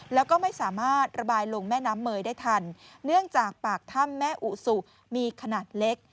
แล้วก็ไม่สามารถระบายลงแม่น้ำเมยได้ทันเนื่องจากปากถ้ำแม่อุสุมีขนาดเล็ก